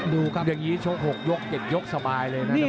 ดูครับอย่างงี้โชคหกยกเก็ดยกสบายเลยนะ